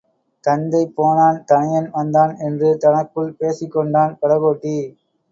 தந்தை போனான் தனயன் வந்தான் என்று தனக்குள் பேசிக் கொண்டான் படகோட்டி.